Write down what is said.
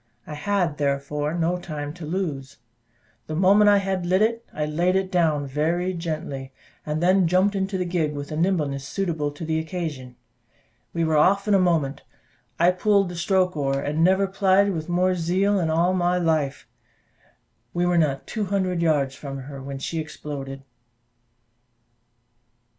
I had therefore no time to lose. The moment I had lit it, I laid it down very gently, and then jumped into the gig, with a nimbleness suitable to the occasion. We were off in a moment: I pulled the stroke oar, and I never plied with more zeal in all my life: we were not two hundred yards from her when she exploded.